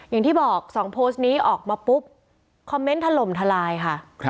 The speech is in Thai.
อย่างที่บอก๒โพสต์นี้ออกมาปุ๊บคอมเมนต์ถล่มทลายค่ะ